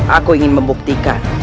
aku ingin membuktikan